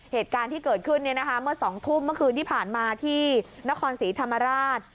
เหตุการณ์ที่เกิดขึ้นเมื่อ๒ทุ่มเมื่อคืนที่ผ่านมาที่นครศรีธรรมราช